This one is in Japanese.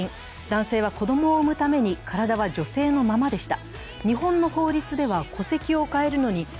男性は子供を産むために体は女性のままでした。